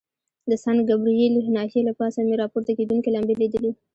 د سان ګبریل ناحیې له پاسه مې را پورته کېدونکي لمبې لیدلې.